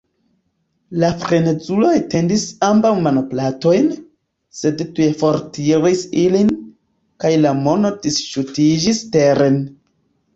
La frenezulo etendis ambaŭ manplatojn, sed tuj fortiris ilin, kaj la mono disŝutiĝis teren.